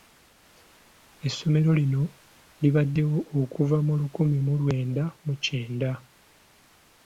Essomero lino libaddewo okuva mu lukumi mu lwenda mu kyenda.